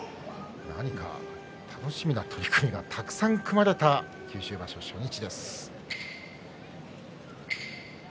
何が楽しみな取組がたくさん組まれた九州場所初日です。